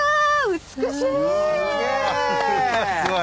美しい！